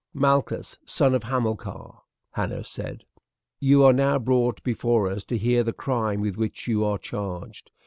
"Malchus, son of Hamilcar," Hanno said, "you are now brought before us to hear the crime with which you are charged.